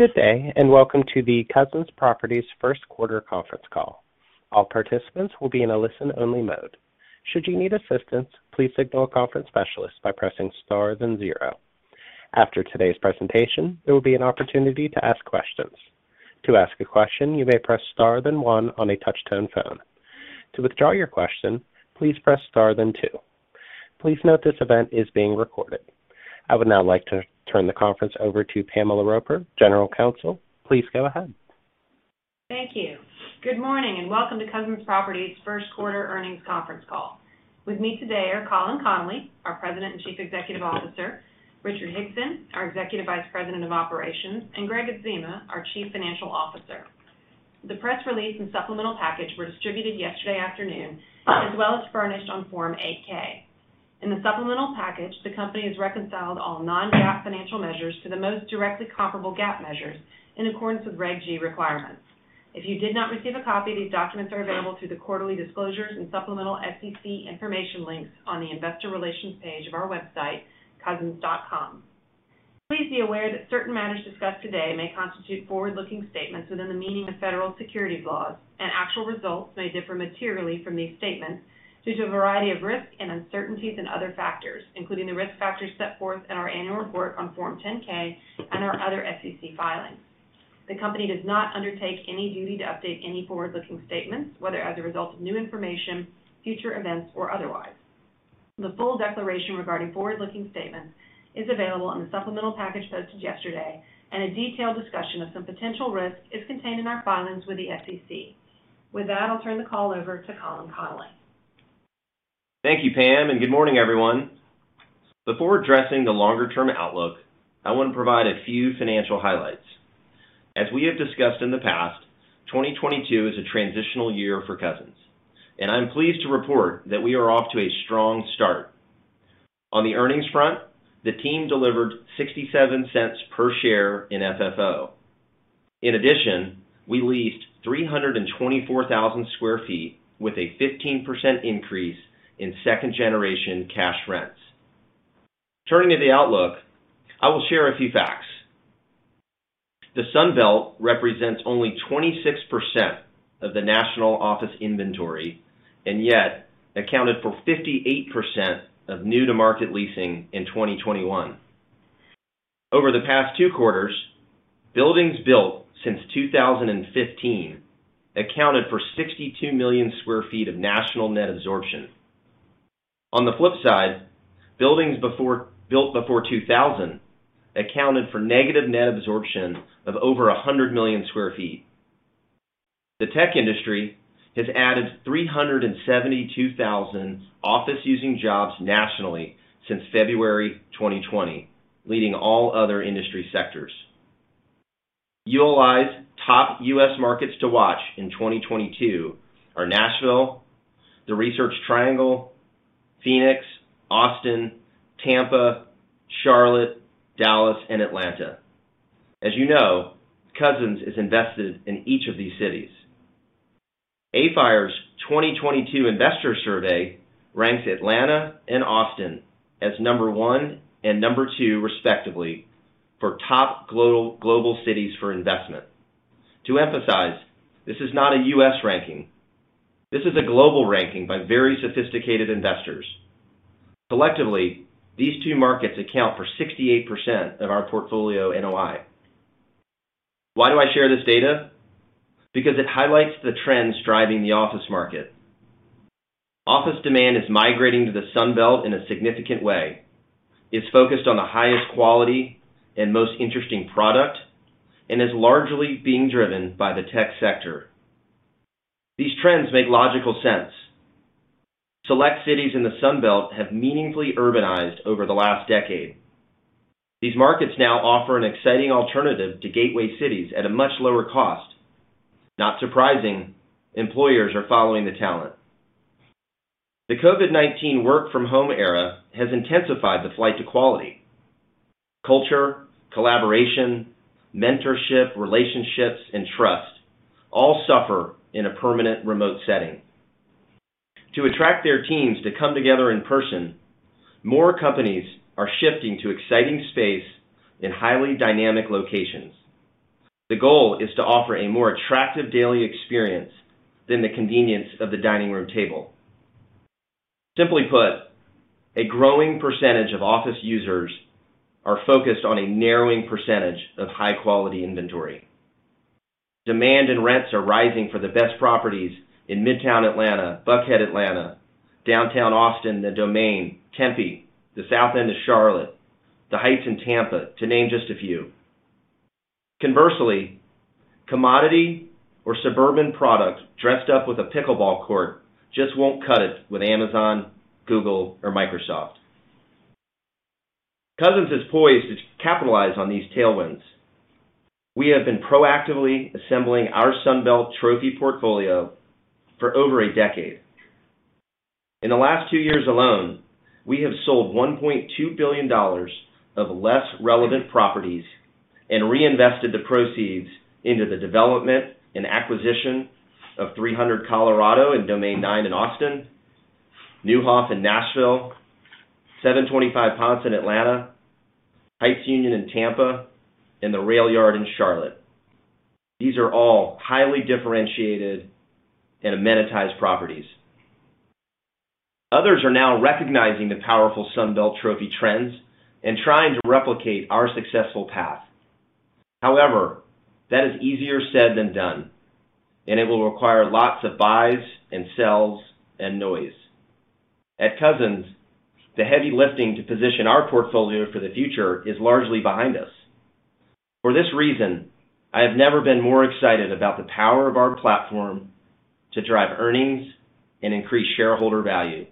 Good day, and welcome to the Cousins Properties First Quarter Conference Call. All participants will be in a listen-only mode. Should you need assistance, please signal a conference specialist by pressing Star then zero. After today's presentation, there will be an opportunity to ask questions. To ask a question, you may press Star then one on a touch-tone phone. To withdraw your question, please press Star then two. Please note this event is being recorded. I would now like to turn the conference over to Pamela Roper, General Counsel. Please go ahead. Thank you. Good morning, and welcome to Cousins Properties first quarter earnings conference call. With me today are Colin Connolly, our President and Chief Executive Officer, Richard Hickson, our Executive Vice President of Operations, and Gregg Adzema, our Chief Financial Officer. The press release and supplemental package were distributed yesterday afternoon, as well as furnished on Form 8-K. In the supplemental package, the company has reconciled all non-GAAP financial measures to the most directly comparable GAAP measures in accordance with Regulation G requirements. If you did not receive a copy, these documents are available through the quarterly disclosures and supplemental SEC information links on the investor relations page of our website, cousins.com. Please be aware that certain matters discussed today may constitute forward-looking statements within the meaning of federal securities laws, and actual results may differ materially from these statements due to a variety of risks and uncertainties and other factors, including the risk factors set forth in our annual report on Form 10-K and our other SEC filings. The company does not undertake any duty to update any forward-looking statements, whether as a result of new information, future events, or otherwise. The full declaration regarding forward-looking statements is available on the supplemental package posted yesterday, and a detailed discussion of some potential risks is contained in our filings with the SEC. With that, I'll turn the call over to Colin Connolly. Thank you, Pam, and good morning, everyone. Before addressing the longer-term outlook, I want to provide a few financial highlights. As we have discussed in the past, 2022 is a transitional year for Cousins, and I'm pleased to report that we are off to a strong start. On the earnings front, the team delivered $0.67 per share in FFO. In addition, we leased 324,000 sq ft with a 15% increase in second-generation cash rents. Turning to the outlook, I will share a few facts. The Sun Belt represents only 26% of the national office inventory and yet accounted for 58% of new-to-market leasing in 2021. Over the past two quarters, buildings built since 2015 accounted for 62 million sq ft of national net absorption. On the flip side, buildings built before 2000 accounted for negative net absorption of over 100 million sq ft. The tech industry has added 372,000 office-using jobs nationally since February 2020, leading all other industry sectors. ULI's top US markets to watch in 2022 are Nashville, the Research Triangle, Phoenix, Austin, Tampa, Charlotte, Dallas, and Atlanta. As you know, Cousins is invested in each of these cities. AFIRE's 2022 investor survey ranks Atlanta and Austin as number 1 and number 2 respectively for top global cities for investment. To emphasize, this is not a US ranking. This is a global ranking by very sophisticated investors. Collectively, these two markets account for 68% of our portfolio NOI. Why do I share this data? Because it highlights the trends driving the office market. Office demand is migrating to the Sun Belt in a significant way. It's focused on the highest quality and most interesting product and is largely being driven by the tech sector. These trends make logical sense. Select cities in the Sun Belt have meaningfully urbanized over the last decade. These markets now offer an exciting alternative to gateway cities at a much lower cost. Not surprising, employers are following the talent. The COVID-19 work-from-home era has intensified the flight to quality. Culture, collaboration, mentorship, relationships, and trust all suffer in a permanent remote setting. To attract their teams to come together in person, more companies are shifting to exciting space in highly dynamic locations. The goal is to offer a more attractive daily experience than the convenience of the dining room table. Simply put, a growing percentage of office users are focused on a narrowing percentage of high-quality inventory. Demand and rents are rising for the best properties in Midtown Atlanta, Buckhead Atlanta, Downtown Austin, The Domain, Tempe, the South End of Charlotte, The Heights in Tampa, to name just a few. Conversely, commodity or suburban products dressed up with a pickleball court just won't cut it with Amazon, Google, or Microsoft. Cousins is poised to capitalize on these tailwinds. We have been proactively assembling our Sun Belt trophy portfolio for over a decade. In the last two years alone, we have sold $1.2 billion of less relevant properties and reinvested the proceeds into the development and acquisition of 300 Colorado and Domain 9 in Austin. Neuhoff in Nashville, 725 Ponce in Atlanta, Heights Union in Tampa and The RailYard in Charlotte. These are all highly differentiated and amenitized properties. Others are now recognizing the powerful Sun Belt trophy trends and trying to replicate our successful path. However, that is easier said than done, and it will require lots of buys and sells and noise. At Cousins, the heavy lifting to position our portfolio for the future is largely behind us. For this reason, I have never been more excited about the power of our platform to drive earnings and increase shareholder value.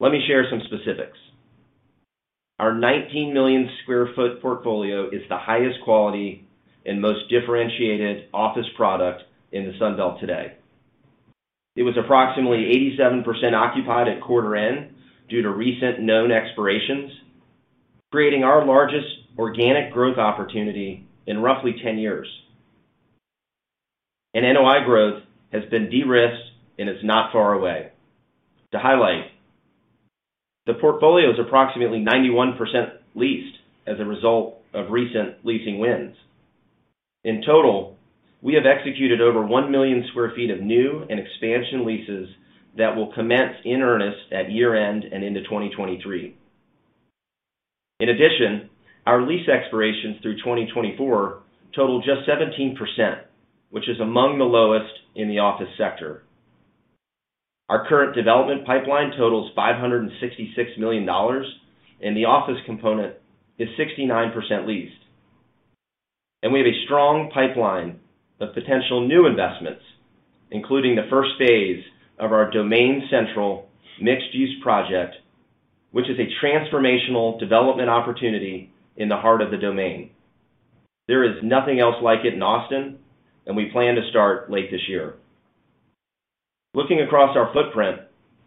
Let me share some specifics. Our 19 million sq ft portfolio is the highest quality and most differentiated office product in the Sun Belt today. It was approximately 87% occupied at quarter end due to recent known expirations, creating our largest organic growth opportunity in roughly 10 years. NOI growth has been de-risked and is not far away. To highlight, the portfolio is approximately 91% leased as a result of recent leasing wins. In total, we have executed over 1 million sq ft of new and expansion leases that will commence in earnest at year-end and into 2023. In addition, our lease expirations through 2024 total just 17%, which is among the lowest in the office sector. Our current development pipeline totals $566 million, and the office component is 69% leased. We have a strong pipeline of potential new investments, including the first phase of our Domain Central mixed-use project, which is a transformational development opportunity in the heart of The Domain. There is nothing else like it in Austin, and we plan to start late this year. Looking across our footprint,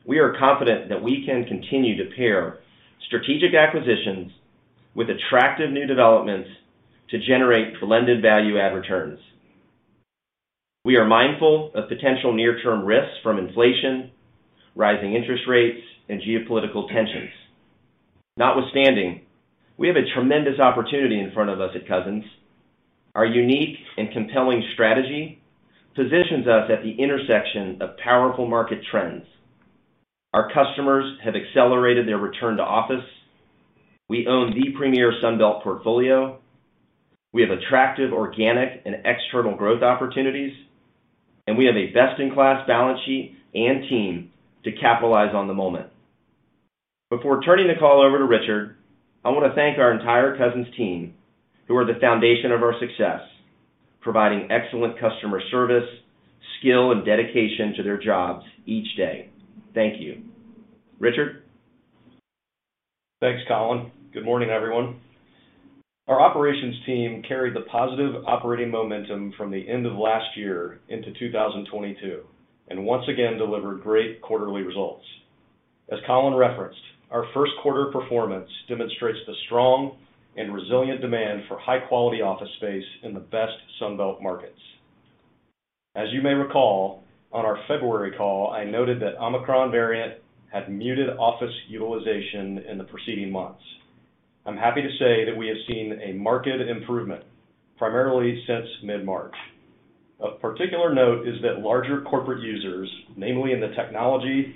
we are confident that we can continue to pair strategic acquisitions with attractive new developments to generate blended value add returns. We are mindful of potential near-term risks from inflation, rising interest rates, and geopolitical tensions. Notwithstanding, we have a tremendous opportunity in front of us at Cousins. Our unique and compelling strategy positions us at the intersection of powerful market trends. Our customers have accelerated their return to office. We own the premier Sun Belt portfolio. We have attractive organic and external growth opportunities, and we have a best-in-class balance sheet and team to capitalize on the moment. Before turning the call over to Richard, I want to thank our entire Cousins team, who are the foundation of our success, providing excellent customer service, skill and dedication to their jobs each day. Thank you. Richard? Thanks, Colin. Good morning, everyone. Our operations team carried the positive operating momentum from the end of last year into 2022 and once again delivered great quarterly results. As Colin referenced, our first quarter performance demonstrates the strong and resilient demand for high-quality office space in the best Sun Belt markets. As you may recall, on our February call, I noted that Omicron variant had muted office utilization in the preceding months. I'm happy to say that we have seen a market improvement primarily since mid-March. Of particular note is that larger corporate users, namely in the technology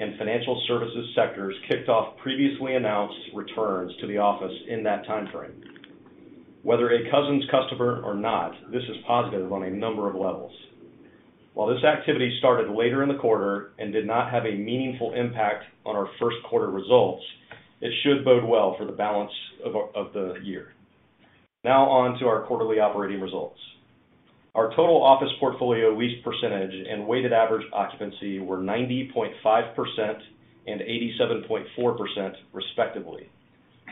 and financial services sectors, kicked off previously announced returns to the office in that time frame. Whether a Cousins customer or not, this is positive on a number of levels. While this activity started later in the quarter and did not have a meaningful impact on our first quarter results, it should bode well for the balance of the year. Now on to our quarterly operating results. Our total office portfolio lease percentage and weighted average occupancy were 90.5% and 87.4%, respectively.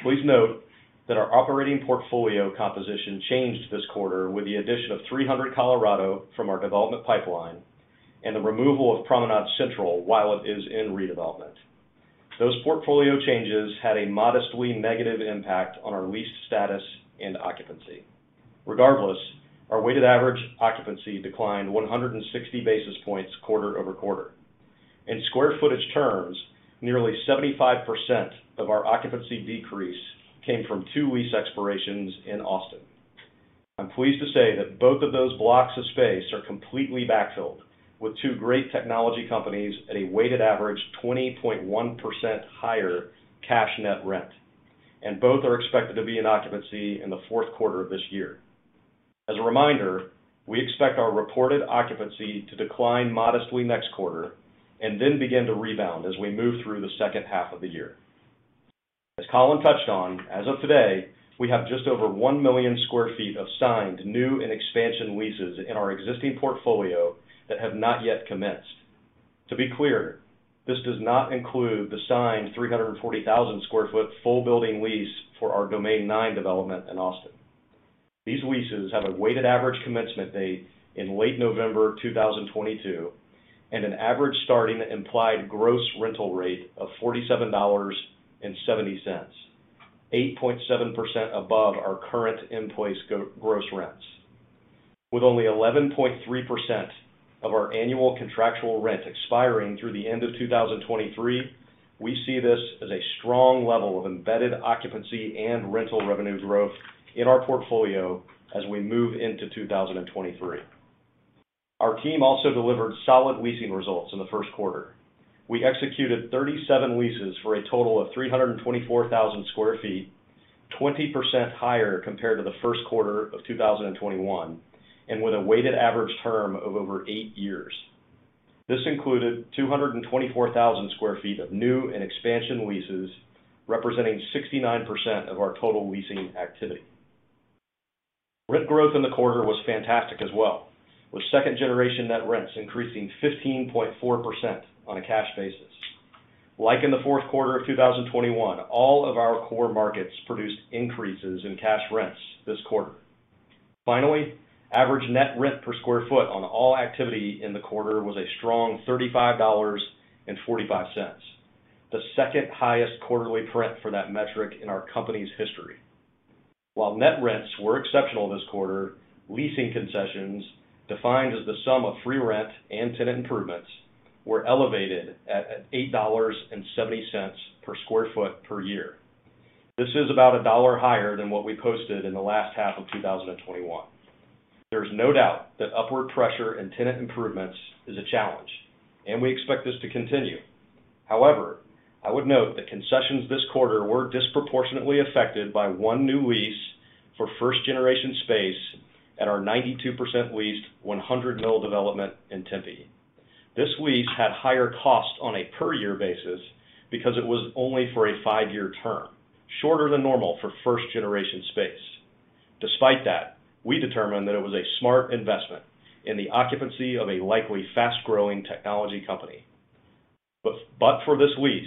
Please note that our operating portfolio composition changed this quarter with the addition of 300 Colorado from our development pipeline and the removal of Promenade Central while it is in redevelopment. Those portfolio changes had a modestly negative impact on our lease status and occupancy. Regardless, our weighted average occupancy declined 160 basis points quarter-over-quarter. In square footage terms, nearly 75% of our occupancy decrease came from two lease expirations in Austin. I'm pleased to say that both of those blocks of space are completely backfilled with two great technology companies at a weighted average 20.1% higher cash net rent, and both are expected to be in occupancy in the fourth quarter of this year. As a reminder, we expect our reported occupancy to decline modestly next quarter and then begin to rebound as we move through the second half of the year. As Colin touched on, as of today, we have just over 1 million sq ft of signed new and expansion leases in our existing portfolio that have not yet commenced. To be clear, this does not include the signed 340,000 sq ft full building lease for our Domain 9 development in Austin. These leases have a weighted average commencement date in late November 2022 and an average starting implied gross rental rate of $47.70, 8.7% above our current in-place gross rents. With only 11.3% of our annual contractual rent expiring through the end of 2023, we see this as a strong level of embedded occupancy and rental revenue growth in our portfolio as we move into 2023. Our team also delivered solid leasing results in the first quarter. We executed 37 leases for a total of 324,000 sq ft, 20% higher compared to the first quarter of 2021, and with a weighted average term of over 8 years. This included 224,000 sq ft of new and expansion leases, representing 69% of our total leasing activity. Rent growth in the quarter was fantastic as well, with second generation net rents increasing 15.4% on a cash basis. Like in the fourth quarter of 2021, all of our core markets produced increases in cash rents this quarter. Finally, average net rent per sq ft on all activity in the quarter was a strong $35.45, the second highest quarterly rent for that metric in our company's history. While net rents were exceptional this quarter, leasing concessions, defined as the sum of free rent and tenant improvements, were elevated at $8.70 per sq ft per year. This is about $1 higher than what we posted in the last half of 2021. There's no doubt that upward pressure and tenant improvements is a challenge, and we expect this to continue. However, I would note that concessions this quarter were disproportionately affected by one new lease for first-generation space at our 92% leased 100 Mill development in Tempe. This lease had higher costs on a per year basis because it was only for a 5-year term, shorter than normal for first generation space. Despite that, we determined that it was a smart investment in the occupancy of a likely fast-growing technology company. But for this lease,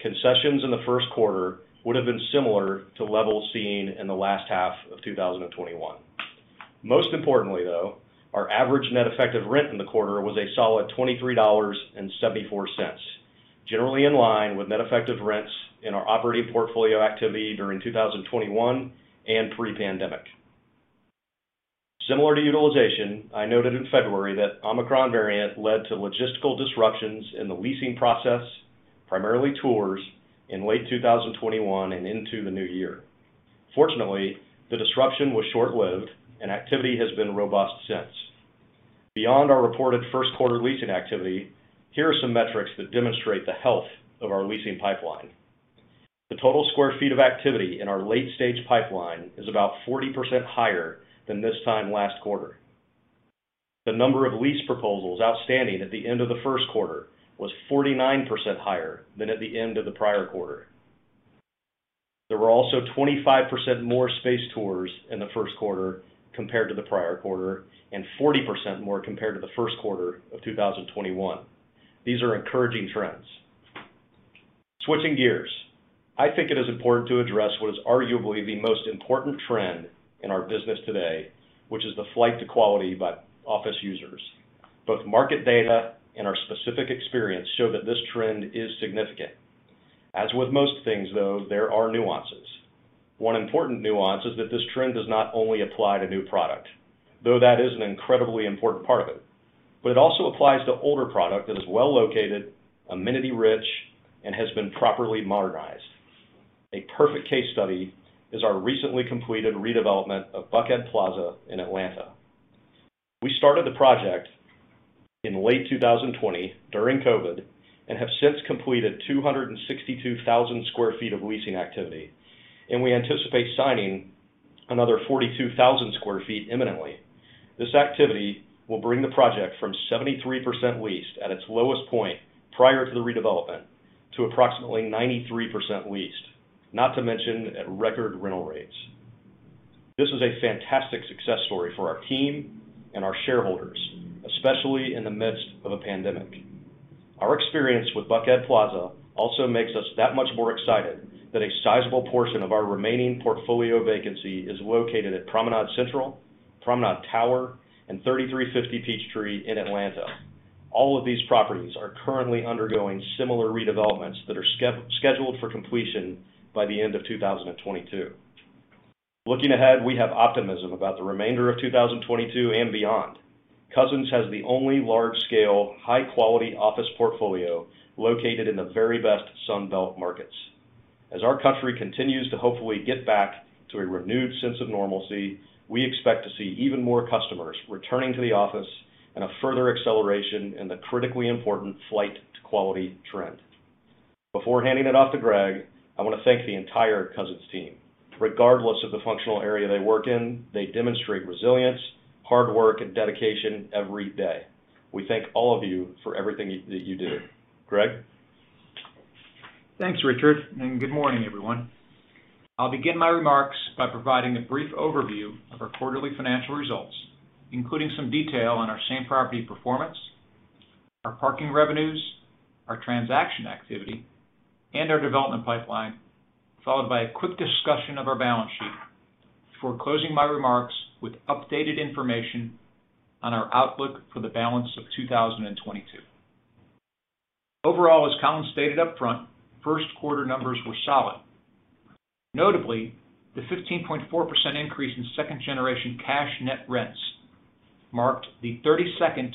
concessions in the first quarter would have been similar to levels seen in the last half of 2021. Most importantly, though, our average net effective rent in the quarter was a solid $23.74, generally in line with net effective rents in our operating portfolio activity during 2021 and pre-pandemic. Similar to utilization, I noted in February that Omicron variant led to logistical disruptions in the leasing process, primarily tours, in late 2021 and into the new year. Fortunately, the disruption was short-lived and activity has been robust since. Beyond our reported first quarter leasing activity, here are some metrics that demonstrate the health of our leasing pipeline. The total sq ft of activity in our late-stage pipeline is about 40% higher than this time last quarter. The number of lease proposals outstanding at the end of the first quarter was 49% higher than at the end of the prior quarter. There were also 25% more space tours in the first quarter compared to the prior quarter, and 40% more compared to the first quarter of 2021. These are encouraging trends. Switching gears, I think it is important to address what is arguably the most important trend in our business today, which is the flight to quality by office users. Both market data and our specific experience show that this trend is significant. As with most things, though, there are nuances. One important nuance is that this trend does not only apply to new product, though that is an incredibly important part of it, but it also applies to older product that is well located, amenity-rich, and has been properly modernized. A perfect case study is our recently completed redevelopment of Buckhead Plaza in Atlanta. We started the project in late 2020 during COVID, and have since completed 262,000 sq ft of leasing activity, and we anticipate signing another 42,000 sq ft imminently. This activity will bring the project from 73% leased at its lowest point prior to the redevelopment to approximately 93% leased, not to mention at record rental rates. This is a fantastic success story for our team and our shareholders, especially in the midst of a pandemic. Our experience with Buckhead Plaza also makes us that much more excited that a sizable portion of our remaining portfolio vacancy is located at Promenade Central, Promenade Tower, and 3350 Peachtree in Atlanta. All of these properties are currently undergoing similar redevelopments that are scheduled for completion by the end of 2022. Looking ahead, we have optimism about the remainder of 2022 and beyond. Cousins has the only large scale, high quality office portfolio located in the very best Sun Belt markets. As our country continues to hopefully get back to a renewed sense of normalcy, we expect to see even more customers returning to the office and a further acceleration in the critically important flight to quality trend. Before handing it off to Gregg, I want to thank the entire Cousins team. Regardless of the functional area they work in, they demonstrate resilience, hard work, and dedication every day. We thank all of you for everything that you do. Gregg? Thanks, Richard, and good morning, everyone. I'll begin my remarks by providing a brief overview of our quarterly financial results, including some detail on our same-property performance, our parking revenues, our transaction activity, and our development pipeline, followed by a quick discussion of our balance sheet before closing my remarks with updated information on our outlook for the balance of 2022. Overall, as Colin stated upfront, first quarter numbers were solid. Notably, the 15.4% increase in second generation cash net rents marked the 32nd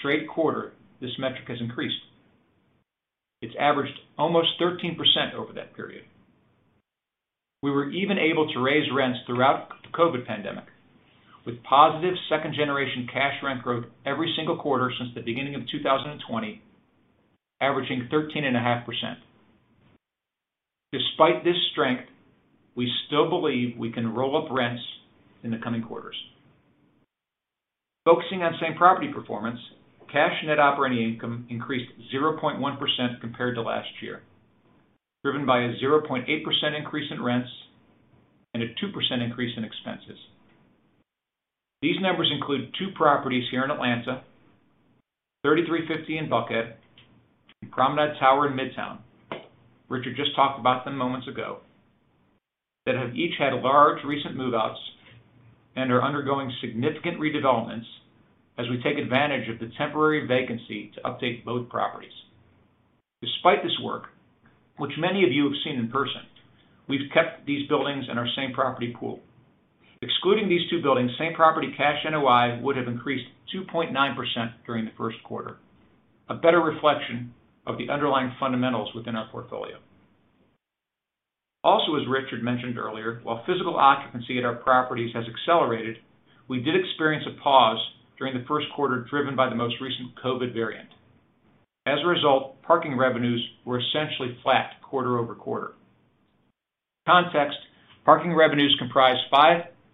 straight quarter this metric has increased. It's averaged almost 13% over that period. We were even able to raise rents throughout the COVID pandemic with positive second generation cash rent growth every single quarter since the beginning of 2020, averaging 13.5%. Despite this strength, we still believe we can roll up rents in the coming quarters. Focusing on same property performance, cash net operating income increased 0.1% compared to last year, driven by a 0.8% increase in rents and a 2% increase in expenses. These numbers include two properties here in Atlanta, 3350 Peachtree in Buckhead and Promenade Tower in Midtown. Richard just talked about them moments ago, that have each had large recent move-outs and are undergoing significant redevelopments as we take advantage of the temporary vacancy to update both properties. Despite this work, which many of you have seen in person, we've kept these buildings in our same property pool. Excluding these two buildings, same property cash NOI would have increased 2.9% during the first quarter, a better reflection of the underlying fundamentals within our portfolio. Also, as Richard mentioned earlier, while physical occupancy at our properties has accelerated, we did experience a pause during the first quarter, driven by the most recent COVID variant. As a result, parking revenues were essentially flat quarter-over-quarter. Context, parking revenues comprise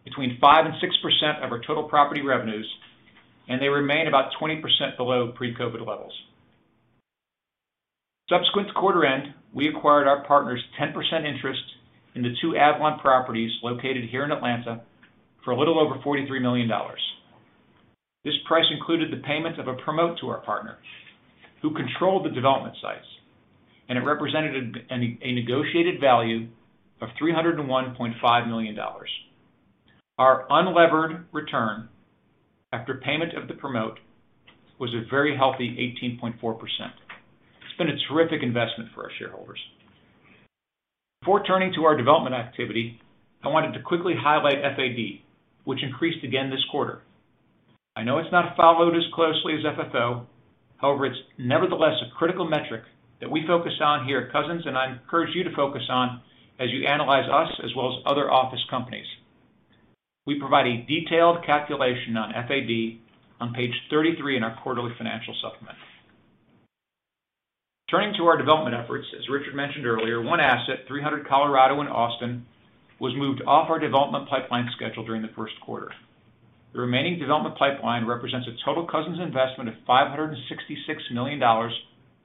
between 5% and 6% of our total property revenues, and they remain about 20% below pre-COVID levels. Subsequent to quarter end, we acquired our partner's 10% interest in the two Avalon properties located here in Atlanta for a little over $43 million. This price included the payment of a promote to our partner who controlled the development sites, and it represented a negotiated value of $301.5 million. Our unlevered return after payment of the promote was a very healthy 18.4%. It's been a terrific investment for our shareholders. Before turning to our development activity, I wanted to quickly highlight FAD, which increased again this quarter. I know it's not followed as closely as FFO, however, it's nevertheless a critical metric that we focus on here at Cousins, and I encourage you to focus on as you analyze us as well as other office companies. We provide a detailed calculation on FAD on page 33 in our quarterly financial supplement. Turning to our development efforts, as Richard mentioned earlier, one asset, 300 Colorado in Austin, was moved off our development pipeline schedule during the first quarter. The remaining development pipeline represents a total Cousins investment of $566 million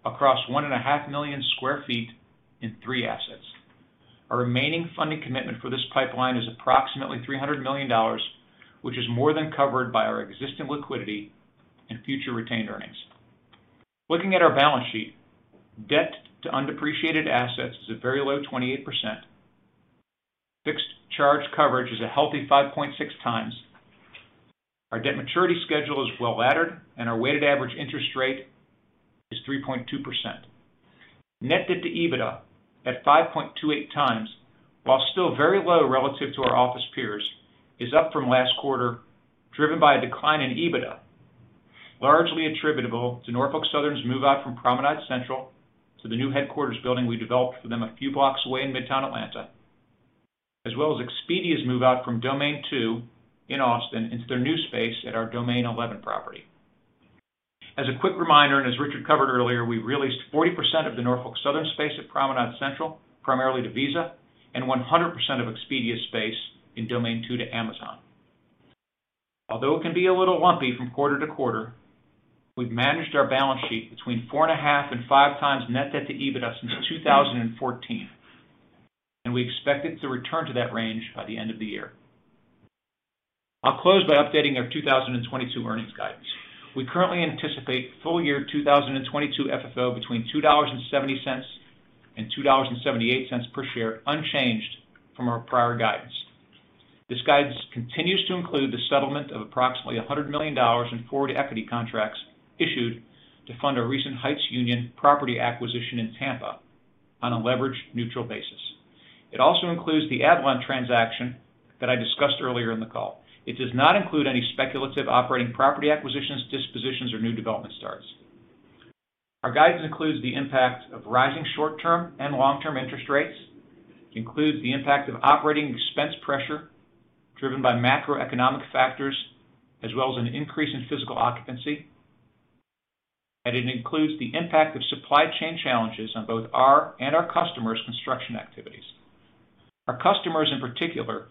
across 1.5 million sq ft in 3 assets. Our remaining funding commitment for this pipeline is approximately $300 million, which is more than covered by our existing liquidity and future retained earnings. Looking at our balance sheet, debt to undepreciated assets is a very low 28%. Fixed charge coverage is a healthy 5.6 times. Our debt maturity schedule is well laddered, and our weighted average interest rate is 3.2%. Net debt to EBITDA at 5.28 times, while still very low relative to our office peers, is up from last quarter, driven by a decline in EBITDA, largely attributable to Norfolk Southern's move out from Promenade Central to the new headquarters building we developed for them a few blocks away in Midtown Atlanta, as well as Expedia's move out from Domain 2 in Austin into their new space at our Domain 11 property. As a quick reminder, and as Richard covered earlier, we re-leased 40% of the Norfolk Southern space at Promenade Central, primarily to Visa, and 100% of Expedia's space in Domain 2 to Amazon. Although it can be a little lumpy from quarter to quarter, we've managed our balance sheet between 4.5 and 5 times net debt to EBITDA since 2014, and we expect it to return to that range by the end of the year. I'll close by updating our 2022 earnings guidance. We currently anticipate full year 2022 FFO between $2.70 and $2.78 per share, unchanged from our prior guidance. This guidance continues to include the settlement of approximately $100 million in forward equity contracts issued to fund our recent Heights Union property acquisition in Tampa on a leverage neutral basis. It also includes the Avalon transaction that I discussed earlier in the call. It does not include any speculative operating property acquisitions, dispositions, or new development starts. Our guidance includes the impact of rising short-term and long-term interest rates, includes the impact of operating expense pressure driven by macroeconomic factors, as well as an increase in physical occupancy. It includes the impact of supply chain challenges on both our and our customers' construction activities. Our customers, in particular,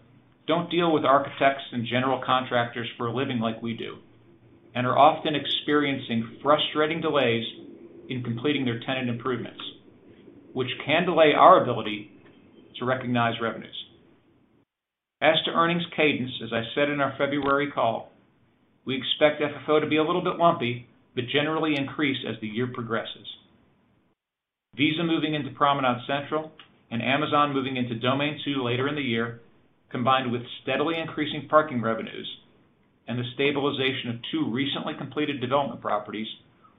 don't deal with architects and general contractors for a living like we do, and are often experiencing frustrating delays in completing their tenant improvements, which can delay our ability to recognize revenues. As to earnings cadence, as I said in our February call, we expect FFO to be a little bit lumpy but generally increase as the year progresses. Visa moving into Promenade Central and Amazon moving into Domain 2 later in the year, combined with steadily increasing parking revenues and the stabilization of two recently completed development properties,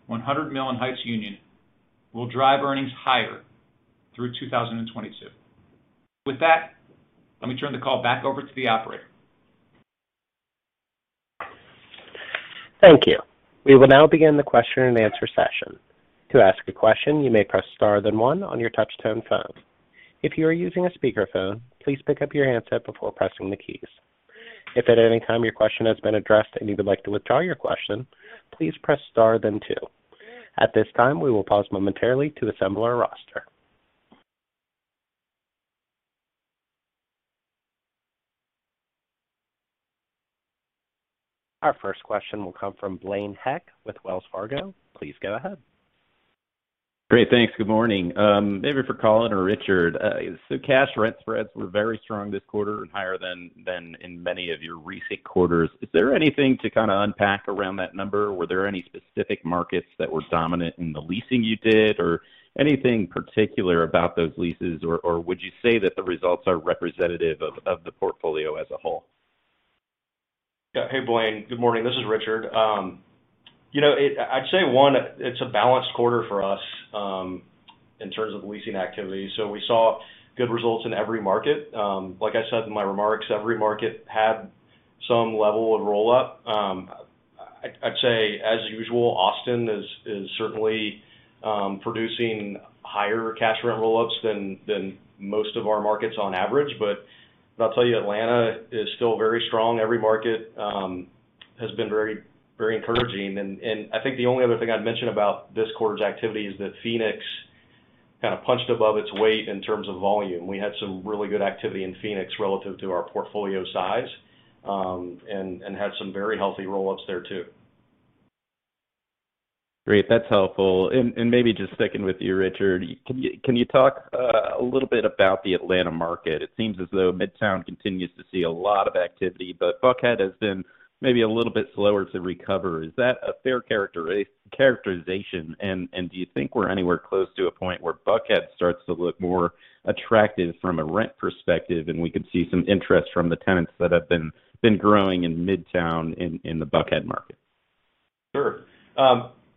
100 Mill and Heights Union, will drive earnings higher through 2022. With that, let me turn the call back over to the operator. Thank you. We will now begin the question-and-answer session. To ask a question, you may press star, then one on your touchtone phone. If you are using a speakerphone, please pick up your handset before pressing the keys. If at any time your question has been addressed and you would like to withdraw your question, please press star, then two. At this time, we will pause momentarily to assemble our roster. Our first question will come from Blaine Heck with Wells Fargo. Please go ahead. Great. Thanks. Good morning. Maybe for Colin or Richard. Cash rent spreads were very strong this quarter and higher than in many of your recent quarters. Is there anything to kind of unpack around that number? Were there any specific markets that were dominant in the leasing you did, or anything particular about those leases? Or would you say that the results are representative of the portfolio as a whole? Yeah. Hey, Blaine. Good morning. This is Richard. I'd say, one, it's a balanced quarter for us, in terms of leasing activity. We saw good results in every market. Like I said in my remarks, every market had some level of roll-up. I'd say as usual, Austin is certainly producing higher cash rent roll-ups than most of our markets on average. I'll tell you, Atlanta is still very strong. Every market has been very, very encouraging. I think the only other thing I'd mention about this quarter's activity is that Phoenix kind of punched above its weight in terms of volume. We had some really good activity in Phoenix relative to our portfolio size, and had some very healthy roll-ups there too. Great. That's helpful. Maybe just sticking with you, Richard. Can you talk a little bit about the Atlanta market? It seems as though Midtown continues to see a lot of activity, but Buckhead has been maybe a little bit slower to recover. Is that a fair characterization? Do you think we're anywhere close to a point where Buckhead starts to look more attractive from a rent perspective, and we could see some interest from the tenants that have been growing in Midtown in the Buckhead market? Sure.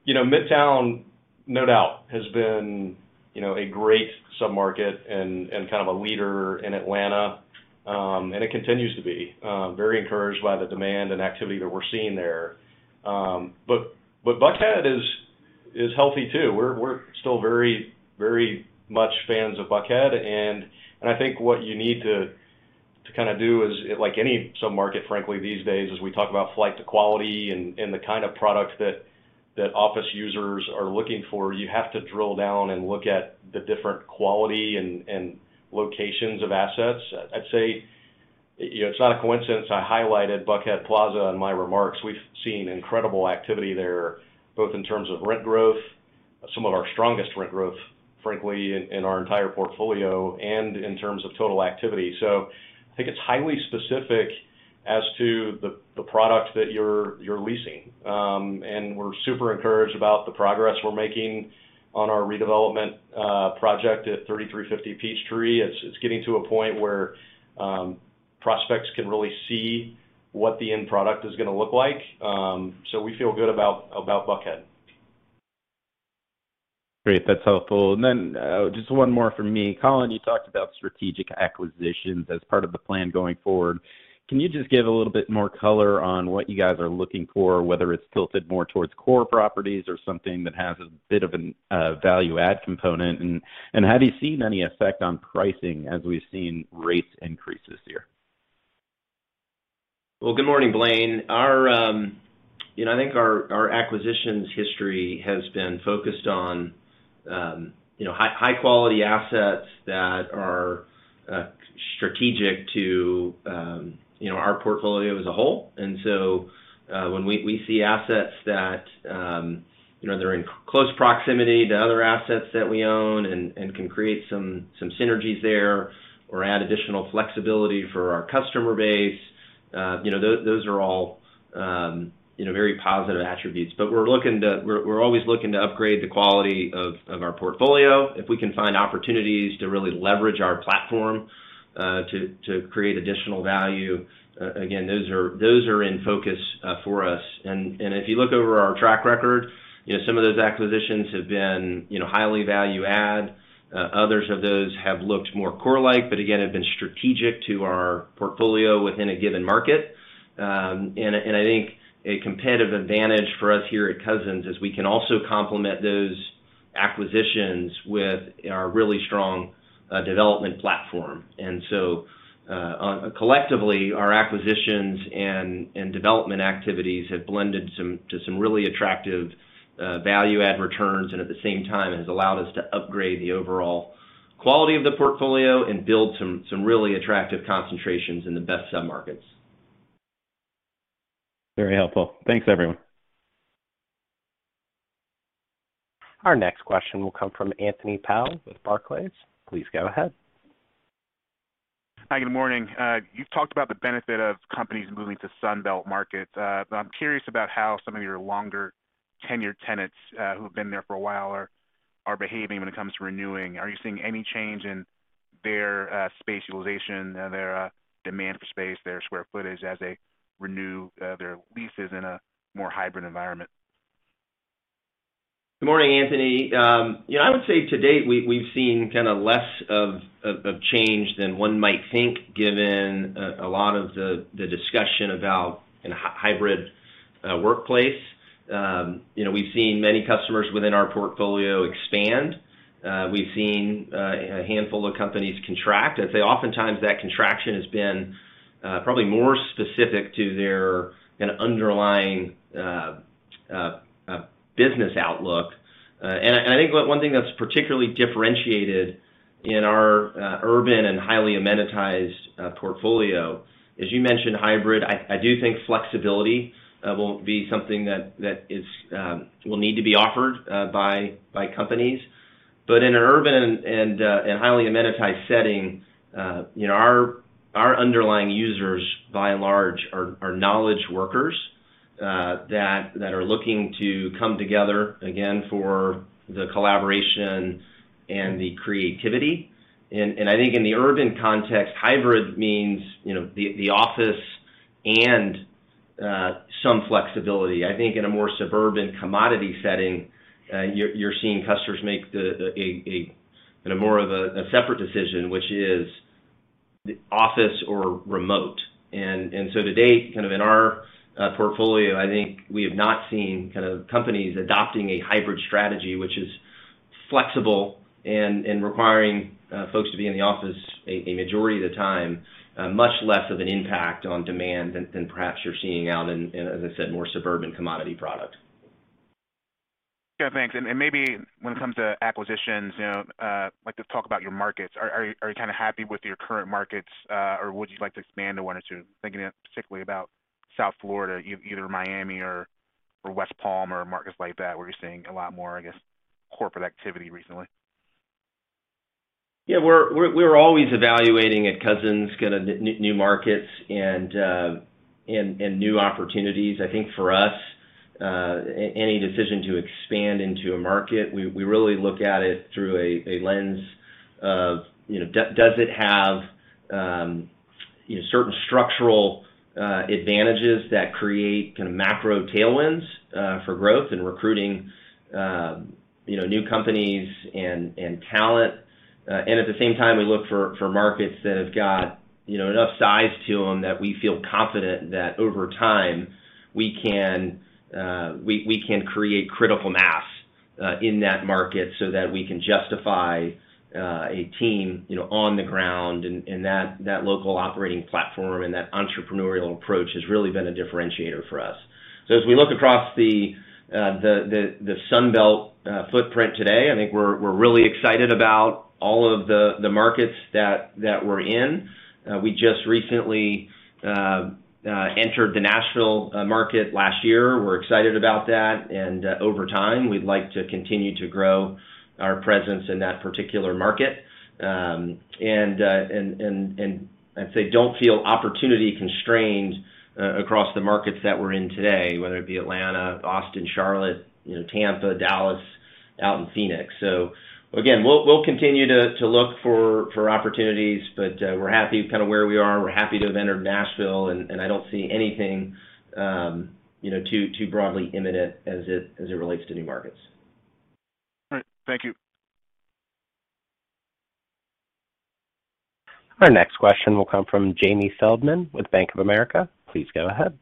You know, Midtown, no doubt, has been, you know, a great sub-market and kind of a leader in Atlanta. It continues to be very encouraged by the demand and activity that we're seeing there. Buckhead is healthy too. We're still very much fans of Buckhead. I think what you need to kind of do is like any sub-market, frankly, these days, as we talk about flight to quality and the kind of product that office users are looking for, you have to drill down and look at the different quality and locations of assets. I'd say it's not a coincidence I highlighted Buckhead Plaza in my remarks. We've seen incredible activity there, both in terms of rent growth, some of our strongest rent growth, frankly, in our entire portfolio and in terms of total activity. I think it's highly specific as to the products that you're leasing. We're super encouraged about the progress we're making on our redevelopment project at 3350 Peachtree. It's getting to a point where prospects can really see what the end product is gonna look like. We feel good about Buckhead. Great. That's helpful. Just one more from me. Colin, you talked about strategic acquisitions as part of the plan going forward. Can you just give a little bit more color on what you guys are looking for, whether it's tilted more towards core properties or something that has a bit of an value add component? Have you seen any effect on pricing as we've seen rates increase this year? Well, good morning, Blaine. I think our acquisitions history has been focused on, you know, high quality assets that are strategic to, you know, our portfolio as a whole. When we see assets that, you know, they're in close proximity to other assets that we own and can create some synergies there or add additional flexibility for our customer base, you know, those are all, you know, very positive attributes. But we're always looking to upgrade the quality of our portfolio. If we can find opportunities to really leverage our platform to create additional value, again, those are in focus for us. If you look over our track record, you know, some of those acquisitions have been, you know, highly value add. Others of those have looked more core-like, but again, have been strategic to our portfolio within a given market. I think a competitive advantage for us here at Cousins is we can also complement those acquisitions with our really strong development platform. Collectively, our acquisitions and development activities have blended some to some really attractive value add returns, and at the same time has allowed us to upgrade the overall quality of the portfolio and build some really attractive concentrations in the best sub-markets. Very helpful. Thanks, everyone. Our next question will come from Anthony Paolone with Barclays. Please go ahead. Hi, good morning. You've talked about the benefit of companies moving to Sun Belt markets. I'm curious about how some of your longer tenured tenants, who have been there for a while are behaving when it comes to renewing. Are you seeing any change in their space utilization, their demand for space, their square footage as they renew their leases in a more hybrid environment? Good morning, Anthony. You know, I would say to date, we've seen kind of less of change than one might think given a lot of the discussion about a hybrid workplace. You know, we've seen many customers within our portfolio expand. We've seen a handful of companies contract. I'd say oftentimes that contraction has been probably more specific to their kind of underlying business outlook. I think one thing that's particularly differentiated in our urban and highly amenitized portfolio, as you mentioned, hybrid, I do think flexibility will be something that will need to be offered by companies. In an urban and highly amenitized setting, you know, our underlying users, by and large, are knowledge workers that are looking to come together again for the collaboration and the creativity. I think in the urban context, hybrid means, you know, the office and some flexibility. I think in a more suburban commodity setting, you're seeing customers make a, you know, more of a separate decision, which is office or remote. To date, kind of in our portfolio, I think we have not seen kind of companies adopting a hybrid strategy, which is flexible and requiring folks to be in the office a majority of the time, much less of an impact on demand than perhaps you're seeing out in, as I said, more suburban commodity product. Yeah, thanks. Maybe when it comes to acquisitions, you know, like to talk about your markets. Are you kind of happy with your current markets, or would you like to expand to one or two? Thinking particularly about South Florida, either Miami or West Palm or markets like that, where you're seeing a lot more, I guess, corporate activity recently. Yeah. We're always evaluating at Cousins kind of new markets and new opportunities. I think for us, any decision to expand into a market, we really look at it through a lens of, you know, does it have, you know, certain structural advantages that create kind of macro tailwinds for growth and recruiting, you know, new companies and talent. At the same time, we look for markets that have got, you know, enough size to them that we feel confident that over time we can create critical mass in that market so that we can justify a team, you know, on the ground. That local operating platform and that entrepreneurial approach has really been a differentiator for us. As we look across the Sun Belt footprint today, I think we're really excited about all of the markets that we're in. We just recently entered the Nashville market last year. We're excited about that, and I'd say don't feel opportunity-constrained across the markets that we're in today, whether it be Atlanta, Austin, Charlotte, you know, Tampa, Dallas, out in Phoenix. Again, we'll continue to look for opportunities, but we're happy kind of where we are. We're happy to have entered Nashville, and I don't see anything, you know, too broadly imminent as it relates to new markets. All right. Thank you. Our next question will come from Jamie Feldman with Bank of America. Please go ahead.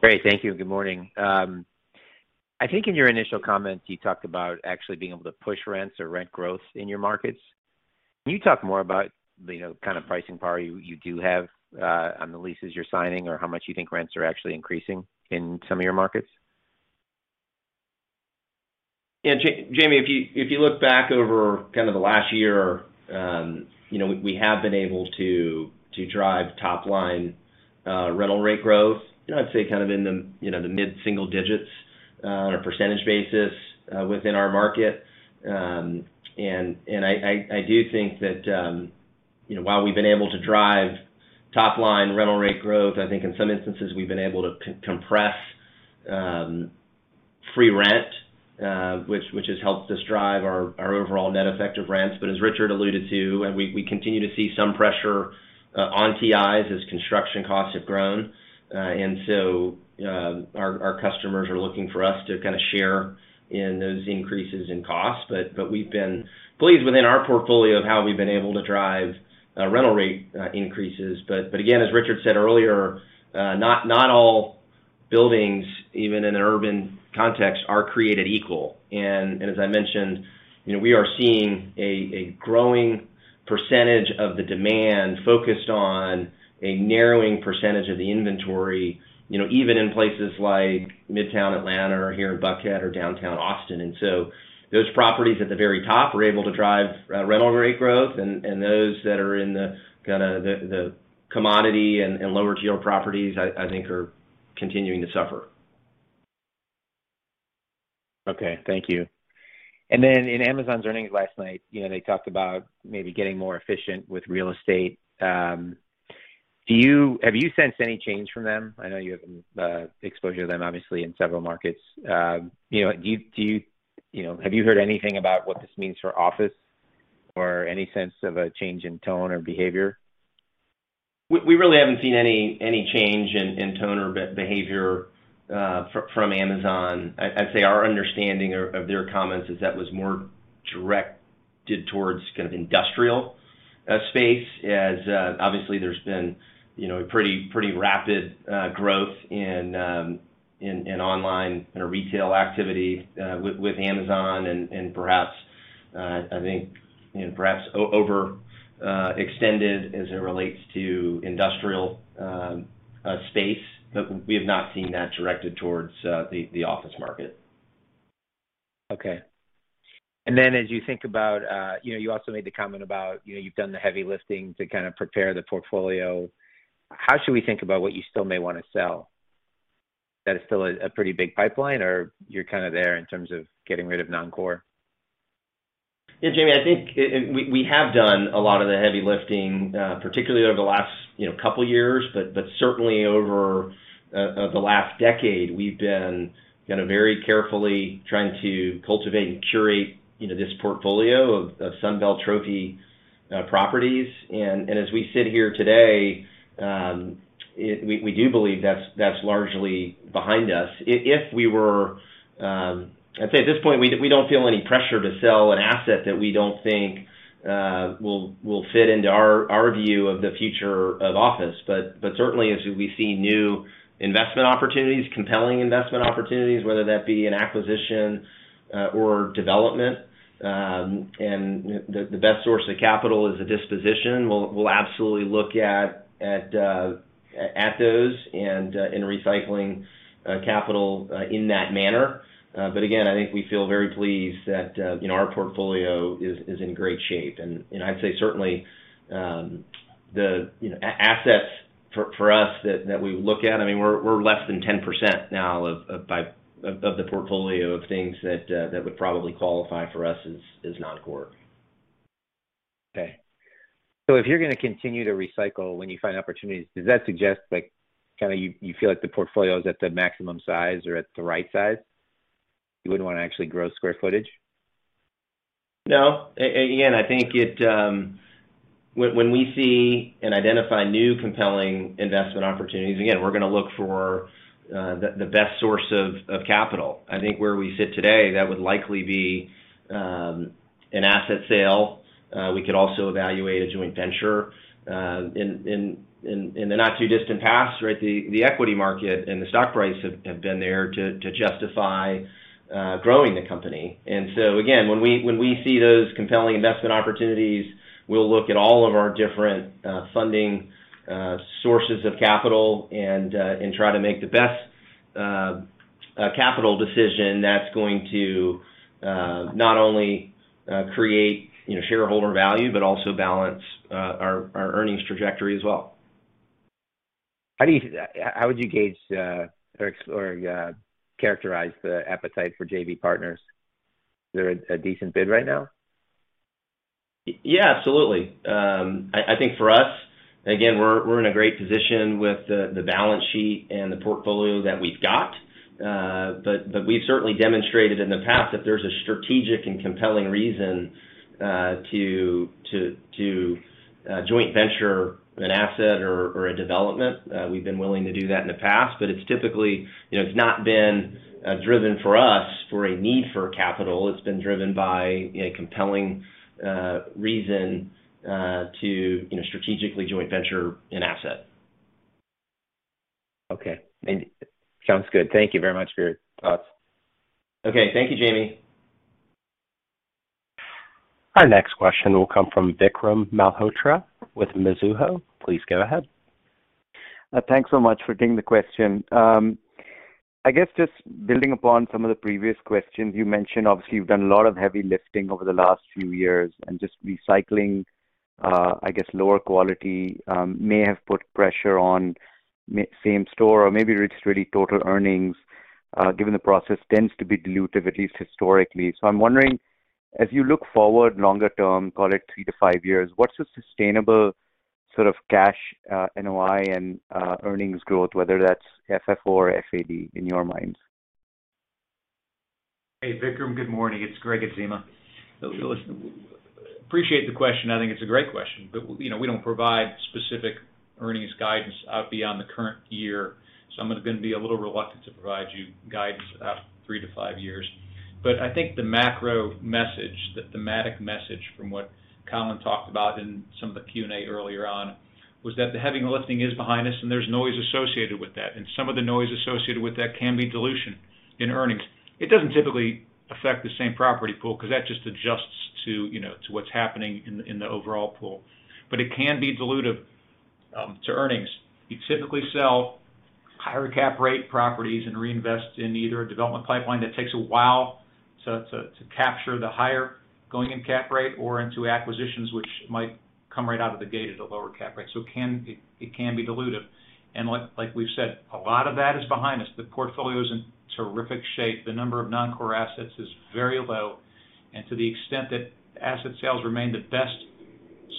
Great. Thank you. Good morning. I think in your initial comments, you talked about actually being able to push rents or rent growth in your markets. Can you talk more about, you know, kind of pricing power you do have on the leases you're signing, or how much you think rents are actually increasing in some of your markets? Yeah, Jamie, if you look back over kind of the last year, you know, we have been able to drive top line rental rate growth. I'd say kind of in the mid-single digits on a percentage basis within our market. I do think that while we've been able to drive top line rental rate growth, I think in some instances we've been able to compress free rent, which has helped us drive our overall net effective rents. As Richard alluded to, we continue to see some pressure on TIs as construction costs have grown. Our customers are looking for us to kind of share in those increases in costs. We've been pleased within our portfolio of how we've been able to drive rental rate increases. Again, as Richard said earlier, not all buildings, even in an urban context, are created equal. As I mentioned, you know, we are seeing a growing percentage of the demand focused on a narrowing percentage of the inventory, you know, even in places like Midtown Atlanta or here in Buckhead or downtown Austin. Those properties at the very top are able to drive rental rate growth. Those that are in the kind of the commodity and lower tier properties, I think are continuing to suffer. Okay. Thank you. Then in Amazon's earnings last night, you know, they talked about maybe getting more efficient with real estate. Have you sensed any change from them? I know you have exposure to them obviously in several markets. You know, have you heard anything about what this means for office or any sense of a change in tone or behavior? We really haven't seen any change in tone or behavior from Amazon. I'd say our understanding of their comments is that was more directed towards kind of industrial space as obviously there's been, you know, a pretty rapid growth in online, you know, retail activity with Amazon and perhaps I think, you know, perhaps overextended as it relates to industrial space, but we have not seen that directed towards the office market. Okay. As you think about, you know, you also made the comment about, you know, you've done the heavy lifting to kind of prepare the portfolio. How should we think about what you still may wanna sell? That is still a pretty big pipeline, or you're kind of there in terms of getting rid of non-core? Yeah, Jamie, I think we have done a lot of the heavy lifting, particularly over the last, you know, couple years, but certainly over the last decade, we've been kinda very carefully trying to cultivate and curate, you know, this portfolio of Sun Belt trophy properties. As we sit here today, we do believe that's largely behind us. If we were, I'd say at this point, we don't feel any pressure to sell an asset that we don't think will fit into our view of the future of office. Certainly as we see new investment opportunities, compelling investment opportunities, whether that be an acquisition or development, and the best source of capital is a disposition, we'll absolutely look at those and in recycling capital in that manner. Again, I think we feel very pleased that you know, our portfolio is in great shape. You know, I'd say certainly, you know, assets for us that we look at, I mean, we're less than 10% now of the portfolio of things that would probably qualify for us as non-core. Okay. If you're gonna continue to recycle when you find opportunities, does that suggest like, kind of you feel like the portfolio is at the maximum size or at the right size? You wouldn't wanna actually grow square footage? No. Again, when we see and identify new compelling investment opportunities, again, we're gonna look for the best source of capital. I think where we sit today, that would likely be an asset sale. We could also evaluate a joint venture. In the not too distant past, right? The equity market and the stock price have been there to justify growing the company. Again, when we see those compelling investment opportunities, we'll look at all of our different funding sources of capital and try to make the best capital decision that's going to not only create, you know, shareholder value, but also balance our earnings trajectory as well. How would you gauge, or explore, characterize the appetite for JV partners? Is there a decent bid right now? Yeah, absolutely. I think for us, again, we're in a great position with the balance sheet and the portfolio that we've got. We've certainly demonstrated in the past that there's a strategic and compelling reason to joint venture an asset or a development. We've been willing to do that in the past, but it's typically, you know, it's not been driven for us for a need for capital. It's been driven by a compelling reason to, you know, strategically joint venture an asset. Okay. Sounds good. Thank you very much for your thoughts. Okay. Thank you, Jamie. Our next question will come from Vikram Malhotra with Mizuho. Please go ahead. Thanks so much for taking the question. I guess just building upon some of the previous questions, you mentioned, obviously, you've done a lot of heavy lifting over the last few years and just recycling, I guess lower quality, may have put pressure on same store or maybe it's really total earnings, given the process tends to be dilutive, at least historically. I'm wondering, as you look forward longer term, call it 3-5 years, what's the sustainable sort of cash NOI and earnings growth, whether that's FFO or FAD in your minds? Hey, Vikram. Good morning. It's Gregg Adzema. Listen, appreciate the question. I think it's a great question. You know, we don't provide specific earnings guidance out beyond the current year, so I'm gonna be a little reluctant to provide you guidance about 3-5 years. I think the macro message, the thematic message from what Colin talked about in some of the Q&A earlier on, was that the heavy lifting is behind us and there's noise associated with that, and some of the noise associated with that can be dilution in earnings. It doesn't typically affect the same property pool because that just adjusts to, you know, to what's happening in the overall pool. It can be dilutive to earnings. You typically sell higher cap rate properties and reinvest in either a development pipeline that takes a while- To capture the higher going-in cap rate or into acquisitions which might come right out of the gate at a lower cap rate. It can be dilutive. Like we've said, a lot of that is behind us. The portfolio is in terrific shape. The number of non-core assets is very low. To the extent that asset sales remain the best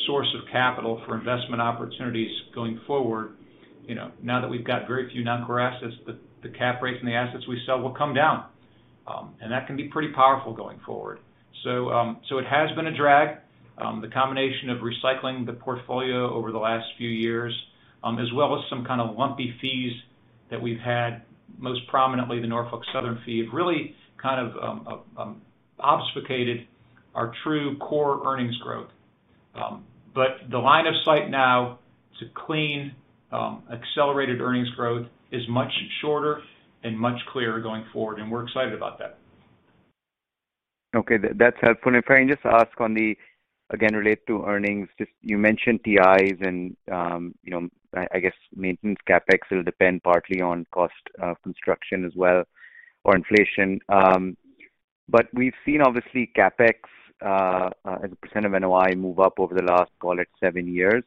source of capital for investment opportunities going forward, you know, now that we've got very few non-core assets, the cap rates and the assets we sell will come down. That can be pretty powerful going forward. It has been a drag. The combination of recycling the portfolio over the last few years, as well as some kind of lumpy fees that we've had, most prominently the Norfolk Southern fee, have really kind of obfuscated our true core earnings growth. The line of sight now to clean accelerated earnings growth is much shorter and much clearer going forward, and we're excited about that. Okay. That's helpful. If I can just ask on the, again, related to earnings, just you mentioned TIs and, you know, I guess maintenance CapEx will depend partly on cost of construction as well or inflation. But we've seen obviously CapEx as a % of NOI move up over the last, call it, seven years.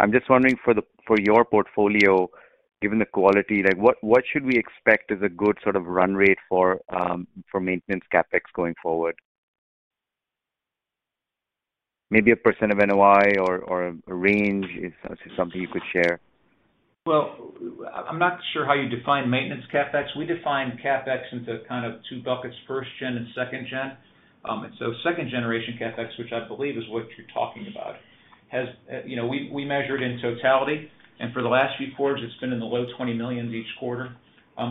I'm just wondering for your portfolio, given the quality, like what should we expect as a good sort of run rate for maintenance CapEx going forward? Maybe a % of NOI or a range if that's just something you could share. Well, I'm not sure how you define maintenance CapEx. We define CapEx into kind of two buckets, first gen and second gen. Second generation CapEx, which I believe is what you're talking about, has, you know, we measure it in totality, and for the last few quarters, it's been in the low $20 million each quarter.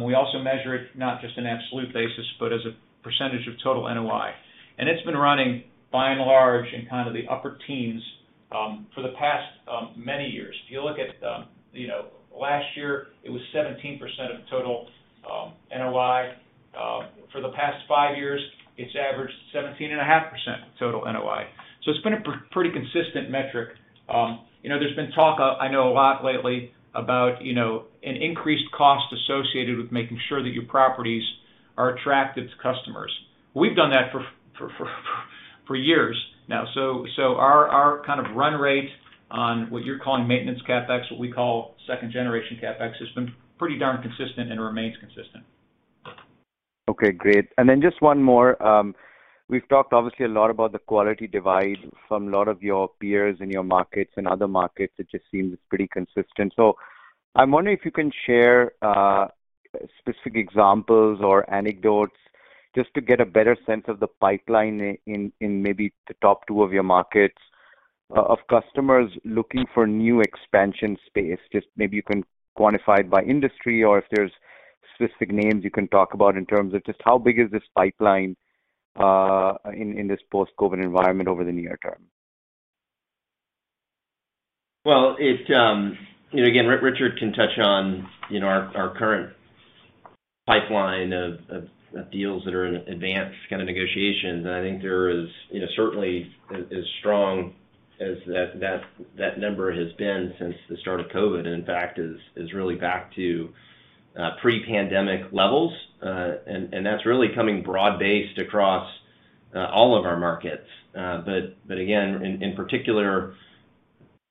We also measure it not just in absolute basis, but as a percentage of total NOI. It's been running by and large in kind of the upper teens for the past many years. If you look at, you know, last year it was 17% of total NOI. For the past five years, it's averaged 17.5% total NOI. It's been a pretty consistent metric. You know, there's been talk, I know a lot lately about, you know, an increased cost associated with making sure that your properties are attractive to customers. We've done that for years now. Our kind of run rate on what you're calling maintenance CapEx, what we call second generation CapEx, has been pretty darn consistent and remains consistent. Okay, great. Just one more. We've talked obviously a lot about the quality divide from a lot of your peers in your markets and other markets. It just seems it's pretty consistent. I'm wondering if you can share specific examples or anecdotes just to get a better sense of the pipeline in maybe the top two of your markets of customers looking for new expansion space. Just maybe you can quantify it by industry or if there's specific names you can talk about in terms of just how big is this pipeline in this post-COVID environment over the near term. Well, it, you know, again, Richard can touch on, you know, our current pipeline of deals that are in advanced kind of negotiations. I think there is, you know, certainly as strong as that number has been since the start of COVID, and in fact is really back to pre-pandemic levels. That's really coming broad-based across all of our markets. But again, in particular,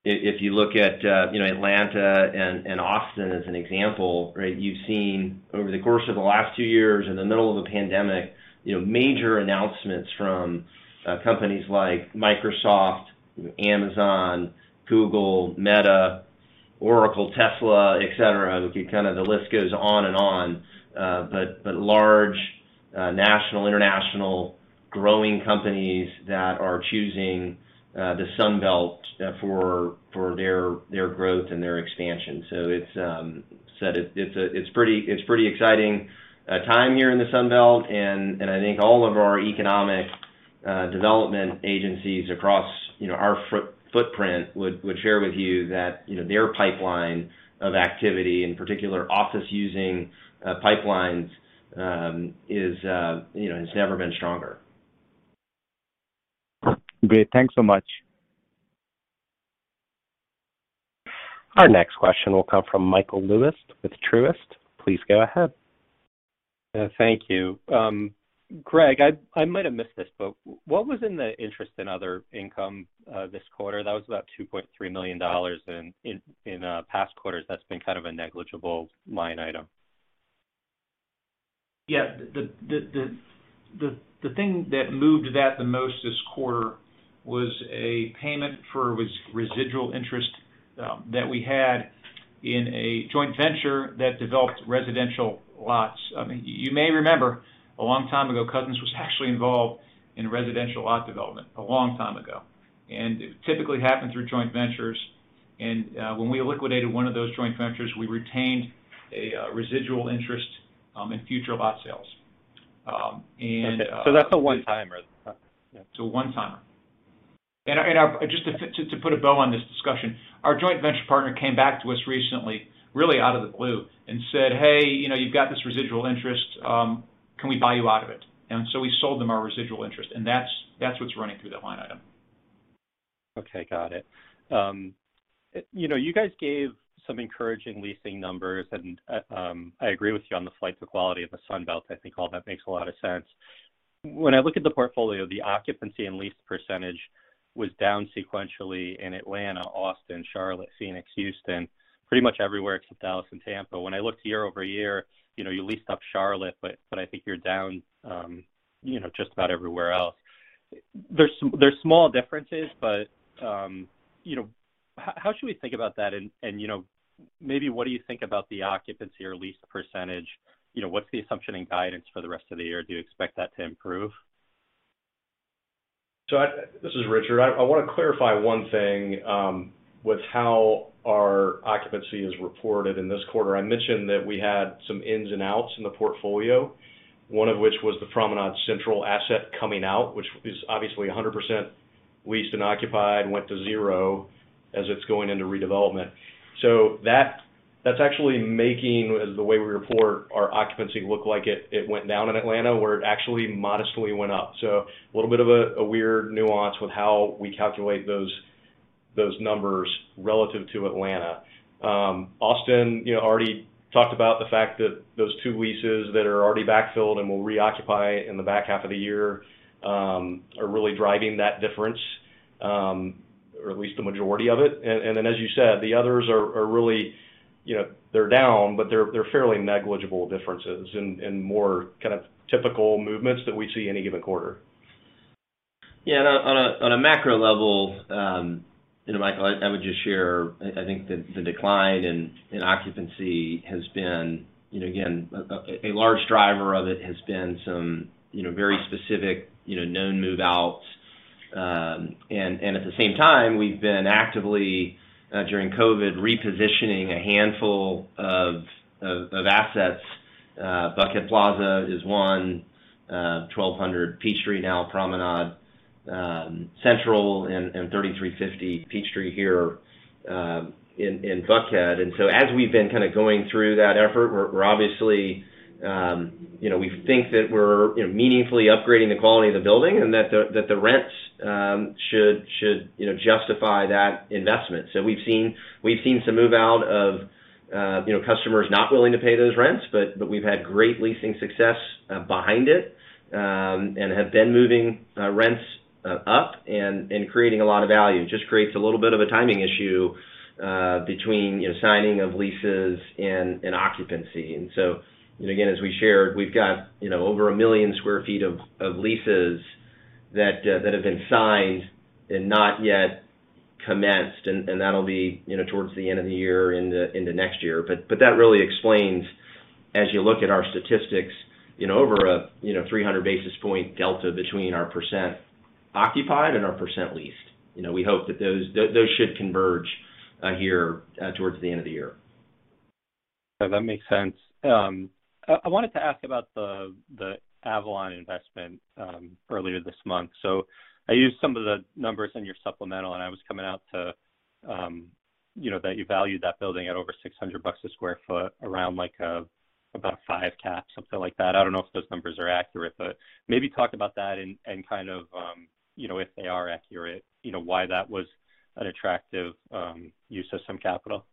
if you look at, you know, Atlanta and Austin as an example, right? You've seen over the course of the last two years in the middle of a pandemic, you know, major announcements from companies like Microsoft, Amazon, Google, Meta, Oracle, Tesla, et cetera. If you kind of the list goes on and on. Large national international growing companies that are choosing the Sun Belt for their growth and their expansion. It's pretty exciting time here in the Sun Belt. I think all of our economic development agencies across our footprint would share with you that their pipeline of activity, in particular office using pipelines, is, you know, has never been stronger. Great. Thanks so much. Our next question will come from Michael Lewis with Truist. Please go ahead. Yeah, thank you. Gregg, I might have missed this, but what was in the interest and other income this quarter? That was about $2.3 million. In past quarters, that's been kind of a negligible line item. Yeah. The thing that moved that the most this quarter was a payment for residual interest that we had in a joint venture that developed residential lots. I mean, you may remember a long time ago, Cousins was actually involved in residential lot development, a long time ago. It typically happened through joint ventures. When we liquidated one of those joint ventures, we retained a residual interest in future lot sales. Okay. That's a one-timer. It's a one-timer. Just to put a bow on this discussion, our joint venture partner came back to us recently, really out of the blue, and said, "Hey, you know, you've got this residual interest, can we buy you out of it?" We sold them our residual interest, and that's what's running through that line item. Okay, got it. You know, you guys gave some encouraging leasing numbers and I agree with you on the flight to quality of the Sun Belt. I think all that makes a lot of sense. When I look at the portfolio, the occupancy and leased percentage was down sequentially in Atlanta, Austin, Charlotte, Phoenix, Houston, pretty much everywhere except Dallas and Tampa. When I looked year-over-year, you know, you leased up Charlotte, but I think you're down just about everywhere else. There's small differences, but you know, how should we think about that? You know, maybe what do you think about the occupancy or leased percentage? You know, what's the assumption and guidance for the rest of the year? Do you expect that to improve? This is Richard. I want to clarify one thing with how our occupancy is reported in this quarter. I mentioned that we had some ins and outs in the portfolio, one of which was the Promenade Central asset coming out, which is obviously 100% leased and occupied, went to zero as it's going into redevelopment. That's actually making, as the way we report our occupancy, look like it went down in Atlanta, where it actually modestly went up. A little bit of a weird nuance with how we calculate those numbers relative to Atlanta. Austin, you know, already talked about the fact that those two leases that are already backfilled and will reoccupy in the back half of the year are really driving that difference or at least the majority of it. then as you said, the others are really, you know, they're down, but they're fairly negligible differences and more kind of typical movements that we see any given quarter. Yeah. On a macro level, you know, Michael, I would just share, I think the decline in occupancy has been, you know, again, a large driver of it has been some, you know, very specific known move-outs. At the same time, we've been actively during COVID, repositioning a handful of assets. Buckhead Plaza is one, 1200 Peachtree, now Promenade Central and 3350 Peachtree here in Buckhead. As we've been kind of going through that effort, we're obviously, you know, we think that we're, you know, meaningfully upgrading the quality of the building and that the rents should, you know, justify that investment. We've seen some move-out of, you know, customers not willing to pay those rents, but we've had great leasing success behind it, and have been moving rents up and creating a lot of value. Just creates a little bit of a timing issue between, you know, signing of leases and occupancy. Again, as we shared, we've got, you know, over 1 million sq ft of leases that have been signed and not yet commenced. That'll be, you know, towards the end of the year into next year. That really explains, as you look at our statistics, you know, over a 300 basis point delta between our % occupied and our % leased. You know, we hope that those should converge towards the end of the year. Yeah, that makes sense. I wanted to ask about the Avalon investment earlier this month. I used some of the numbers in your supplemental, and I was coming out to, you know, that you valued that building at over $600 a sq ft around like about 5 caps, something like that. I don't know if those numbers are accurate, but maybe talk about that and kind of, you know, if they are accurate, you know, why that was an attractive use of some capital.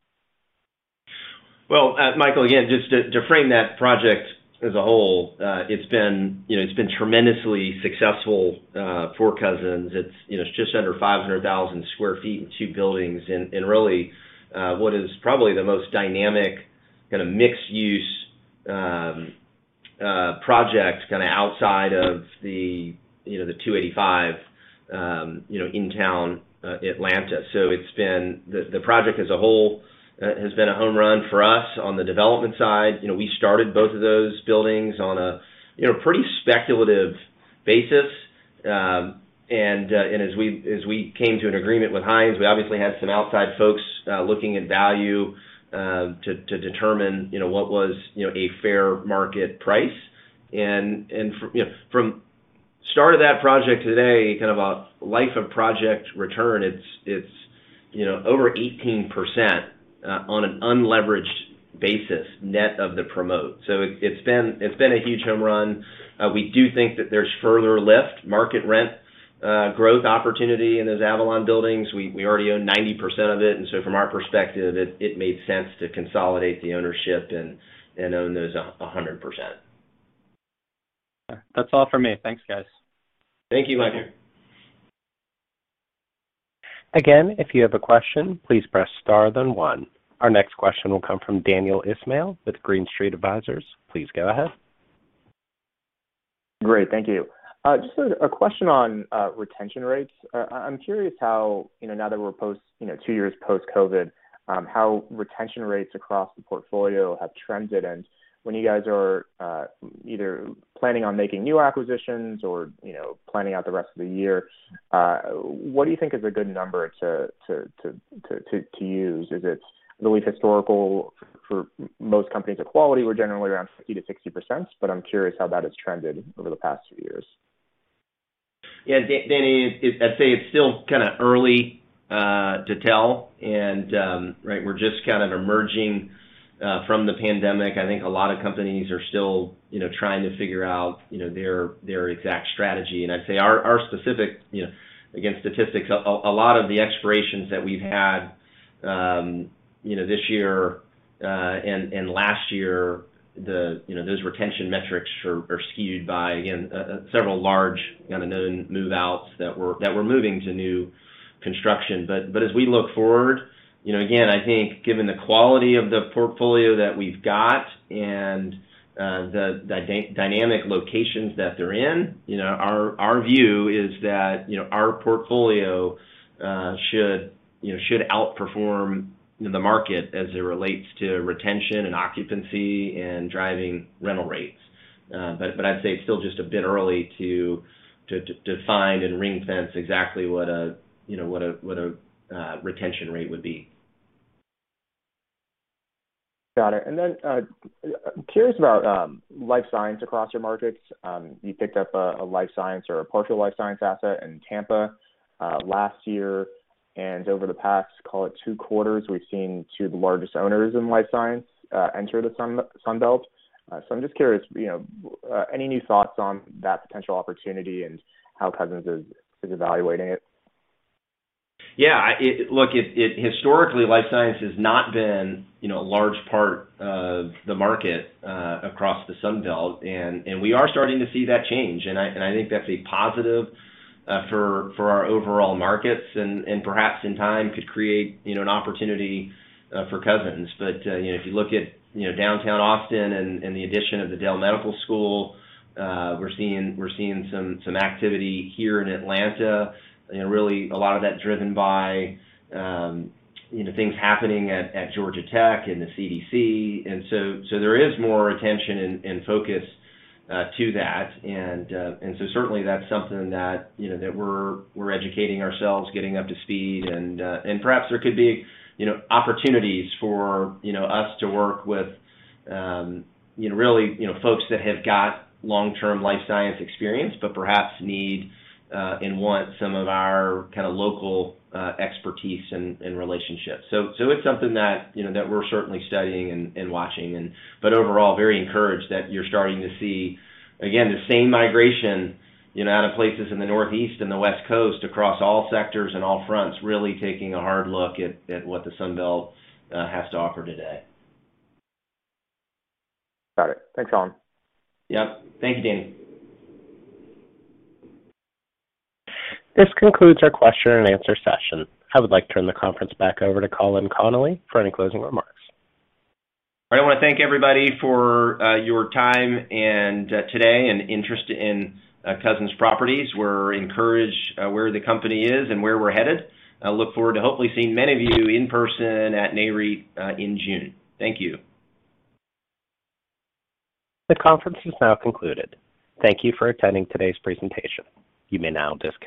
Well, Michael, again, just to frame that project as a whole, it's been, you know, it's been tremendously successful for Cousins. It's, you know, it's just under 500,000 sq ft in two buildings and really what is probably the most dynamic kind of mixed-use project kind of outside of the 285, you know, in town Atlanta. The project as a whole has been a home run for us on the development side. You know, we started both of those buildings on a pretty speculative basis. And as we came to an agreement with Hines, we obviously had some outside folks looking at value to determine what was a fair market price. And fro... You know, from start of that project today, kind of a life of project return, it's over 18%, on an unleveraged basis, net of the promote. It's been a huge home run. We do think that there's further lift, market rent growth opportunity in those Avalon buildings. We already own 90% of it, and so from our perspective, it made sense to consolidate the ownership and own those 100%. That's all for me. Thanks, guys. Thank you, Michael. Thank you. Again, if you have a question, please press star then one. Our next question will come from Daniel Ismail with Green Street Advisors. Please go ahead. Great. Thank you. Just a question on retention rates. I'm curious how, you know, now that we're post 2 years post-COVID, how retention rates across the portfolio have trended. When you guys are either planning on making new acquisitions or, you know, planning out the rest of the year, what do you think is a good number to use? Is it the way historical for most companies of quality were generally around 50%-60%? I'm curious how that has trended over the past few years. Yeah. Daniel, I'd say it's still kind of early to tell and, right? We're just kind of emerging from the pandemic. I think a lot of companies are still, you know, trying to figure out, you know, their exact strategy. I'd say our specific, you know, again, statistics, a lot of the expirations that we've had, you know, this year and last year, you know, those retention metrics are skewed by, again, several large kind of known move-outs that were moving to new construction. As we look forward, you know, again, I think given the quality of the portfolio that we've got and the dynamic locations that they're in, you know, our view is that, you know, our portfolio should outperform the market as it relates to retention and occupancy and driving rental rates. I'd say it's still just a bit early to define and ring-fence exactly what a retention rate would be. Got it. Curious about life science across your markets. You picked up a life science or a partial life science asset in Tampa last year. Over the past, call it two quarters, we've seen two of the largest owners in life science enter the Sun Belt. I'm just curious, you know, any new thoughts on that potential opportunity and how Cousins is evaluating it? Historically, life science has not been, you know, a large part of the market across the Sun Belt, and we are starting to see that change, and I think that's a positive for our overall markets and perhaps in time could create, you know, an opportunity for Cousins. But you know, if you look at downtown Austin and the addition of the Dell Medical School, we're seeing some activity here in Atlanta, you know, really a lot of that's driven by you know, things happening at Georgia Tech and the CDC. There is more attention and focus to that. Certainly, that's something that, you know, that we're educating ourselves, getting up to speed and perhaps there could be, you know, opportunities for, you know, us to work with, you know, really, you know, folks that have got long-term life science experience but perhaps need and want some of our kind of local expertise and relationships. It's something that, you know, that we're certainly studying and watching, but overall, very encouraged that you're starting to see, again, the same migration, you know, out of places in the Northeast and the West Coast across all sectors and all fronts, really taking a hard look at what the Sun Belt has to offer today. Got it. Thanks, Colin. Yep. Thank you, Daniel. This concludes our question and answer session. I would like to turn the conference back over to Colin Connolly for any closing remarks. I wanna thank everybody for your time and today and interest in Cousins Properties. We're encouraged where the company is and where we're headed. I look forward to hopefully seeing many of you in person at NAREIT in June. Thank you. This conference is now concluded. Thank you for attending today's presentation. You may now disconnect.